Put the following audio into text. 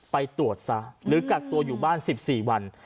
ไปตรวจซะหรือกักตัวอยู่บ้าน๑๔วัน